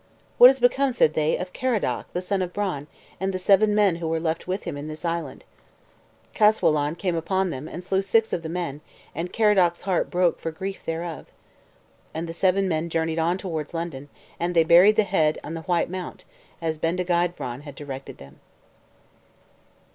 "What has become," said they, "of Caradoc, the son of Bran, and the seven men who were left with him in this island?" "Caswallawn came upon them, and slew six of the men, and Caradoc's heart broke for grief thereof." And the seven men journeyed on towards London, and they buried the head in the White Mount, as Bendigeid Vran had directed them.